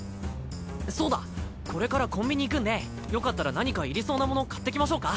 そうだこれからコンビニ行くんでよかったら何かいりそうなもの買ってきましょうか？